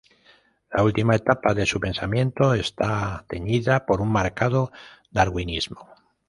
La última etapa de su pensamiento está teñida por un marcado darwinismo.